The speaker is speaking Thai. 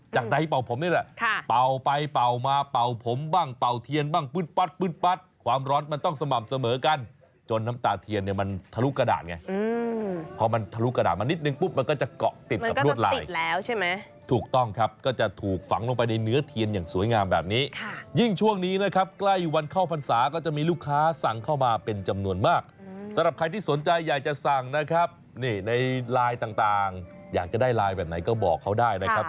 จากนั้นให้เป่าผมนี่แหละค่ะเป่าไปเป่ามาเป่าผมบ้างเป่าเทียนบ้างปึ๊ดปั๊ดปึ๊ดปั๊ดความร้อนมันต้องสม่ำเสมอกันจนน้ำตาเทียนเนี่ยมันทะลุกระดาษไงอืมพอมันทะลุกระดาษมานิดหนึ่งปุ๊บมันก็จะเกาะติดกับรวดลายมันก็ต้องติดแล้วใช่ไหมถูกต้องครับก็จะถูกฝังลงไปในเนื้อเทียนอย่